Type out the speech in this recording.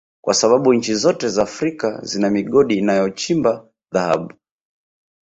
kwa sababu nchi zote za Afrika zina migodi inayochimba Dhahabu